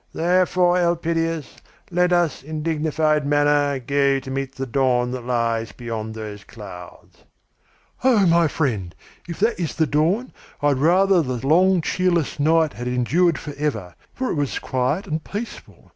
Therefore, Elpidias, let us in dignified manner go to meet the dawn that lies beyond those clouds." "Oh, my friend! If that is the dawn, I would rather the long cheerless night had endured forever, for it was quiet and peaceful.